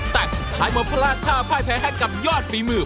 แต่สุดท้ายหมอพระราชข้าภายแพ้ให้กับยอดฟีมือ